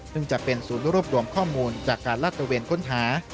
ซึ่งจะเป็นศูนย์รวบรวมข้อมูลจากการลาดตระเวนค้นหา